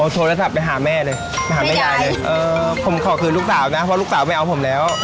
โทรศัพท์ไปหาแม่เลยมาหาแม่ยายเลยเออผมขอคืนลูกสาวนะเพราะลูกสาวไม่เอาผมแล้ว